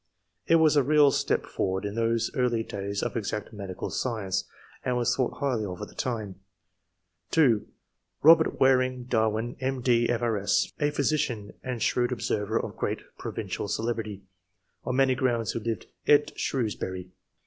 It was a real step for ward in those early days of exact medical science, and was thought highly of at the time ; (2) Robert Waring Darwin, M.D., F.R.S., a physician, and shrewd observer, of great provincial celebrity, on many grounds, who lived at Shrewsbury.